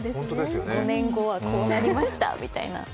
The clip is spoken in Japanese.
５年後はこうなりましたみたいな。